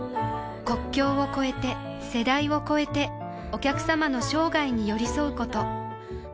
国境を超えて世代を超えてお客様の生涯に寄り添うこと